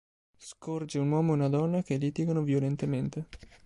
Scorge un uomo e una donna che litigano violentemente.